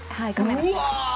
「うわ！」